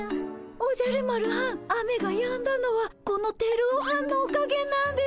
おじゃる丸はん雨がやんだのはこのテルオはんのおかげなんです。